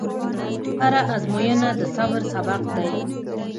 هره ازموینه د صبر سبق دی.